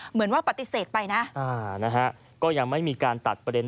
เหมือนว่าปฏิเสธไปนะก็ยังไม่มีการตัดประเด็น